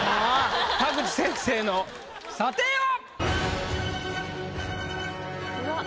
田口先生の査定は⁉怖っ。